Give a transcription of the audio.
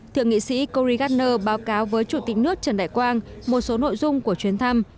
thượng nghị sĩ corey gardner báo cáo với chủ tịch nước trần đại quang một số nội dung của chuyến thăm